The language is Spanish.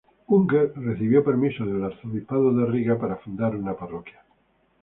Unger recibió permiso del arzobispado de Riga para fundar una parroquia.